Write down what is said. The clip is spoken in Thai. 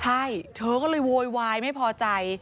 ใช่เธอก็เลยโวยวายไม่พอใจ